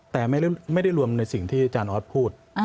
แต่ไม่ได้รวมในสิ่งที่อาจารย์ออสพูด